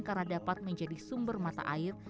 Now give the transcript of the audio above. karena dapat menjadi sumber mata air